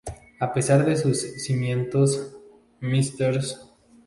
A pesar de sus sentimientos, Mrs.